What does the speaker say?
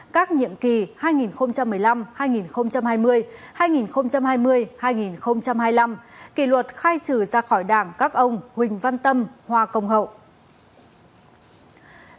các nhiệm kỳ hai nghìn một mươi năm hai nghìn hai mươi hai nghìn hai mươi hai nghìn hai mươi năm kỷ luật khai trừ ra khỏi đảng các ông huỳnh văn tâm hoa công hậu